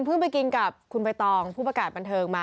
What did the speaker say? เพิ่งไปกินกับคุณไปตองผู้ประกาศปันเทิงมา